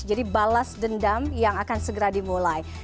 jadi balas dendam yang akan segera dimulai